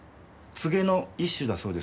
ツゲの一種だそうです。